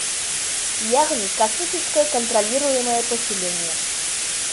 Йәғни космическое контролируемое поселение.